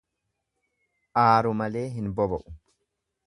Aaru malee hin boba'u.